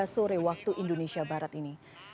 tiga sore waktu indonesia barat ini